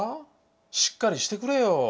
しっかりしてくれよ。